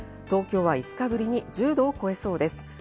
東京は５日ぶりに１０度を超えそうです。